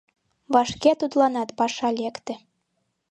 Вашке тудланат паша лекте.